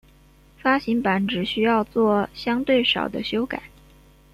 发行版只需要作相对少的修改。